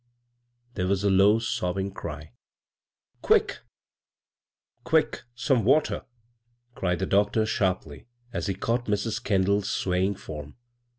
There was a low, sobbing cry. "Qtuck — some water l" cried the doctor, Aaxpiy, as he caught Mis. Kendall's swaying fonn.